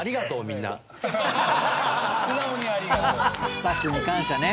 スタッフに感謝ね。